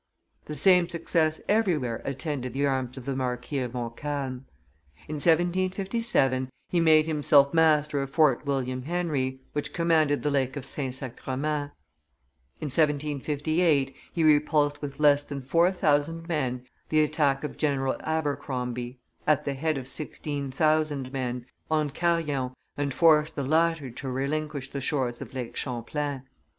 The same success everywhere attended the arms of the Marquis of Montcalm. In 1757 he made himself master of Fort William Henry, which commanded the lake of Saint Sacrement; in 1758 he repulsed with less than four thousand men the attack of General Abercrombie, at the head of sixteen thousand men, on Carillon, and forced the latter to relinquish the shores of Lake Champlain.